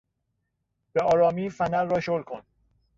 به آرامی فنر را شل کن!